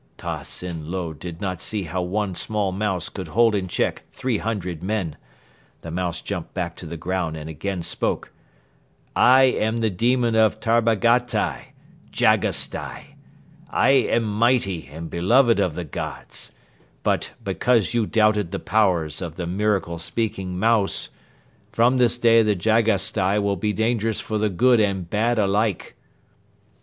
"Ta Sin Lo did not see how one small mouse could hold in check three hundred men. The mouse jumped back to the ground and again spoke: "'I am the demon of Tarbagatai, Jagasstai. I am mighty and beloved of the Gods but, because you doubted the powers of the miracle speaking mouse, from this day the Jagasstai will be dangerous for the good and bad alike.